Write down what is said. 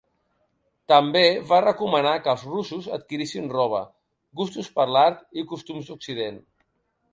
També va recomanar que els russos adquirissin roba, gustos per l'art i costums d'occident.